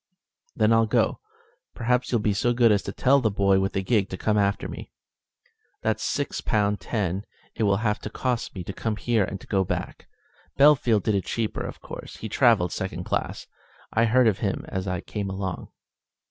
"Then I'll go. Perhaps you'll be so good as to tell the boy with the gig to come after me? That's six pound ten it will have cost me to come here and go back. Bellfield did it cheaper, of course; he travelled second class. I heard of him as I came along."